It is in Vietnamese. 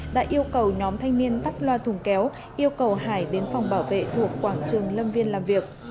đã yêu cầu nhóm thanh niên tắt loa thùng kéo yêu cầu hải đến phòng bảo vệ thuộc quảng trường lâm viên làm việc